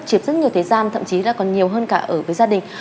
chiếm rất nhiều thời gian thậm chí là còn nhiều hơn cả ở với gia đình